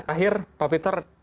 akhir pak peter